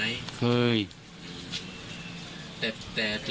แต่เราเองก็ยืนยันความรู้สึกใจไปใช่ไหมครับ